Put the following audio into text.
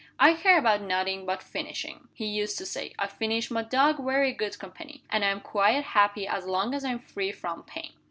"I care about nothing but fishing," he used to say. "I find my dog very good company. And I am quite happy as long as I am free from pain."